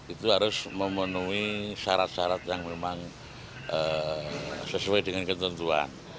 itu harus memenuhi syarat syarat yang memang sesuai dengan ketentuan